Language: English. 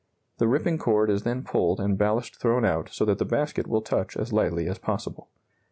The ripping cord is then pulled and ballast thrown out so that the basket will touch as lightly as possible.